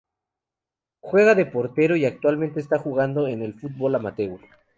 Juega de portero y actualmente está jugando en el fútbol amateur.